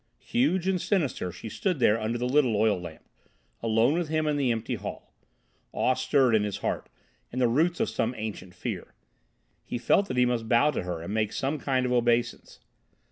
Huge and sinister she stood there under the little oil lamp; alone with him in the empty hall. Awe stirred in his heart, and the roots of some ancient fear. He felt that he must bow to her and make some kind of obeisance.